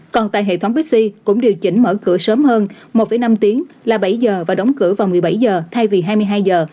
còn tại hệ thống pepsi cũng điều chỉnh mở cửa sớm hơn một năm tiếng là bảy h và đóng cửa vào một mươi bảy h thay vì hai mươi hai h